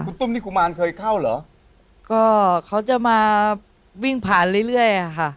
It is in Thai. คุณตุ้มนี่กุมารเคยเข้าเหรอก็เขาจะมาวิ่งผ่านเรื่อยเรื่อยอ่ะค่ะ